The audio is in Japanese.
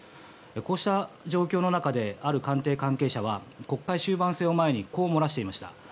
こうした状況の中である官邸関係者は国会終盤戦を前にこう漏らしていました。